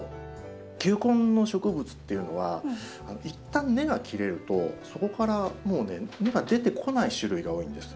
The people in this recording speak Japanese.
球根の植物っていうのはいったん根が切れるとそこからもう根が出てこない種類が多いんです。